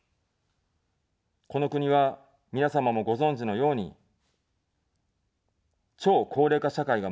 この国は、皆様もご存じのように、超高齢化社会が待っています。